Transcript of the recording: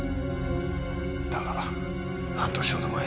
だが半年ほど前。